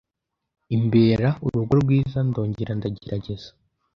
imbera urugero rwiza, ndongera ndagerageza